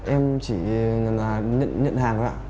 em chỉ nhận hàng thôi